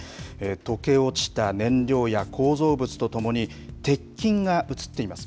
溶け落ちた燃料や構造物とともに、鉄筋が映っています。